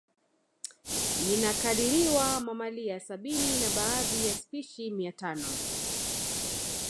Inakadiriwa mamalia sabini na baadhi ya spishi mia tano